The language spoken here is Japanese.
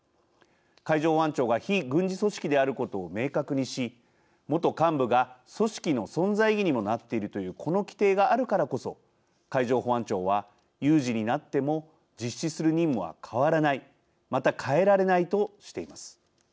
海上保安庁が非軍事組織であることを明確にし元幹部が組織の存在意義にもなっているという、この規定があるからこそ海上保安庁は、有事になっても実施する任務は変わらないまた変えられないとしています。